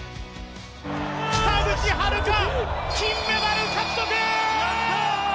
北口榛花、金メダル獲得！